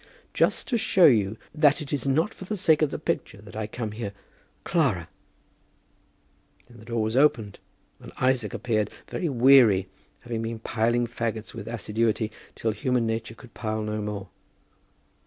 "Just to show you that it is not for the sake of the picture that I come here. Clara " Then the door was opened, and Isaac appeared, very weary, having been piling fagots with assiduity, till human nature could pile no more.